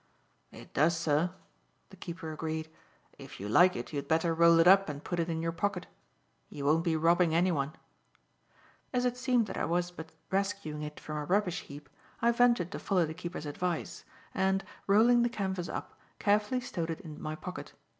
"It does, sir," the keeper agreed. "If you like it, you had better roll it up and put it in your pocket. You won't be robbing anyone." As it seemed that I was but rescuing it from a rubbish heap, I ventured to follow the keeper's advice, and, rolling the canvas up, carefully stowed it in my pocket.